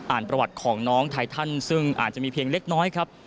ประวัติของน้องไททันซึ่งอาจจะมีเพียงเล็กน้อยครับ